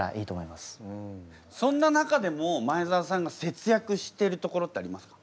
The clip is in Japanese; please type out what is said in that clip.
そんな中でも前澤さんが節約してるところってありますか？